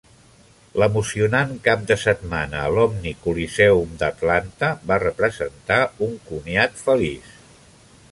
L'emocionant cap de setmana a l'Omni Coliseum d'Atlanta va representar un comiat feliç.